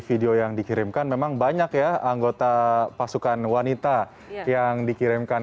video yang dikirimkan memang banyak ya anggota pasukan wanita yang dikirimkan